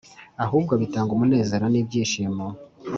ahubwo bitanga umunezero n’ibyishimo.